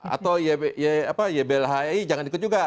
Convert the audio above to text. atau yblhi jangan ikut juga